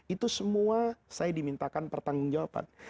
itu semua saya dimintakan pertanggung jawaban